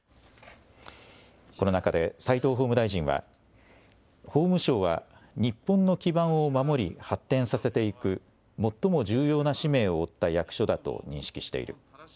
この中で齋藤法務大臣は法務省は日本の基盤を守り発展させていく最も重要な使命を負った役所だと認識している。